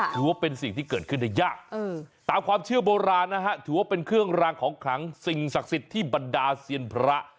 ถือว่าเป็นสิ่งที่เกิดขึ้นได้ยากตามความเชื่อโบราณนะฮะถือว่าเป็นเครื่องรางของขลังสิ่งศักดิ์สิทธิ์ที่บรรดาเซียนพระ